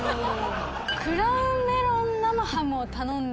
クラウンメロンと生ハムを頼んで。